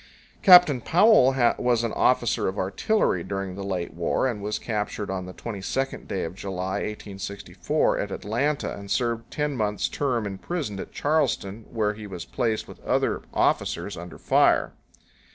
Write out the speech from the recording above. Captain Powell was an officer of artillery during the late war and was captured on the 22d day of July, 1864, at Atlanta and served a ten months' term in prison at Charleston, where he was placed with other officers under fire.